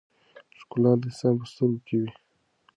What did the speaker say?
ښکلا د انسان په سترګو کې وي.